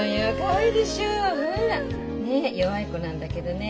ねっ弱い子なんだけどね